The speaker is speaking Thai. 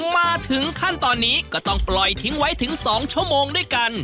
มาถึงขั้นตอนนี้ก็ต้องปล่อยทิ้งไว้ถึง๒ชั่วโมงด้วยกัน